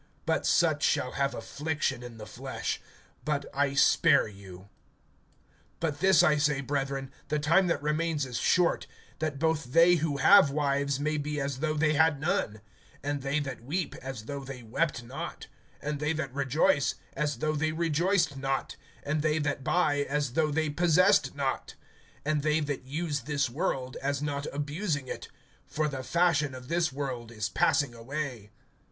But such shall have affliction in the flesh; but I spare you[7:28]. (29)But this I say, brethren, the time that remains is short; that both they who have wives may be as though they had none; (30)and they that weep, as though they wept not; and they that rejoice, as though they rejoiced not; and they that buy, as though they possessed not; (31)and they that use this world, as not abusing it; for the fashion of this world is passing away.